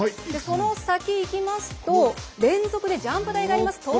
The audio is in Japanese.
その先、行きますと連続でジャンプ台があります。